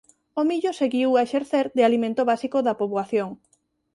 O millo seguiu a exercer de alimento básico da poboación.